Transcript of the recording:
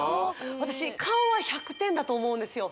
私顔は１００点だと思うんですよ